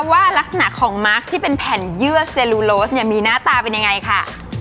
ว่ารักษณะของมาร์คที่เป็นแผ่นเยื่อเซลูโลสเนี่ยมีหน้าตาเป็นยังไงค่ะ